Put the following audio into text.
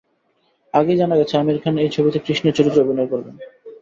আগেই জানা গেছে, আমির খান এই ছবিতে কৃষ্ণের চরিত্রে অভিনয় করবেন।